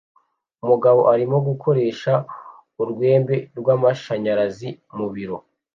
Umugabo arimo gukoresha urwembe rw'amashanyarazi mu biro